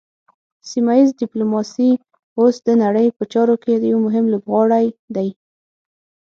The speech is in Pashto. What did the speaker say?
سیمه ایز ډیپلوماسي اوس د نړۍ په چارو کې یو مهم لوبغاړی دی